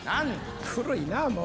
古いなぁもう。